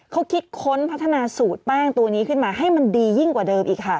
เขาคิดค้นพัฒนาสูตรแป้งตัวนี้ขึ้นมาให้มันดียิ่งกว่าเดิมอีกค่ะ